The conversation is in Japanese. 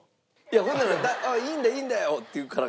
いやほんなら「いいんだよいいんだよ」って言うから。